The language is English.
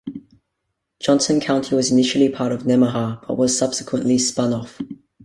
Johnson County was initially part of Nemaha but was subsequently spun off.